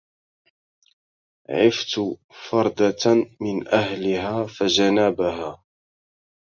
عفت فردة من أهلها فجنابها